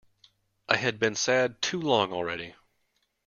I had been sad too long already.